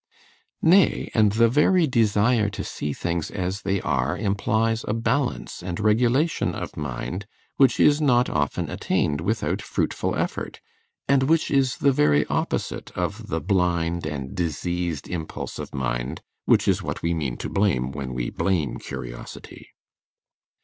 Nay, and the very desire to see things as they are implies a balance and regulation of mind which is not often attained without fruitful effort, and which is the very opposite of the blind and diseased impulse of mind which is what we mean to blame when we blame curiosity.